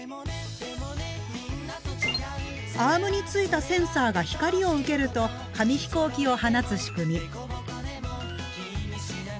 アームについたセンサーが光を受けると紙飛行機を放つ仕組み。